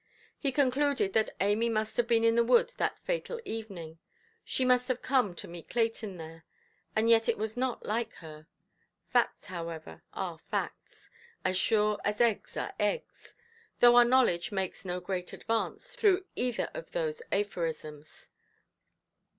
He concluded that Amy must have been in the wood that fatal evening. She must have come to meet Clayton there; and yet it was not like her. Facts, however, are facts, as sure as eggs are eggs; though our knowledge makes no great advance through either of those aphorisms.